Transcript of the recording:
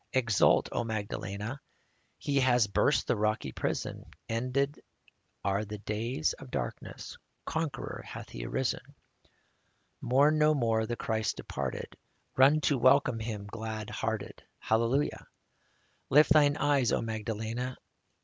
exult, O Magdalena ! He hath burst the rocky prison ; Ended are the days of darkness ; Conqueror hath He arisen. Mourn no more the Christ departed : Run to welcome Him, glad hearted. Hallelujah ! Lift thine eyes, O Magdalena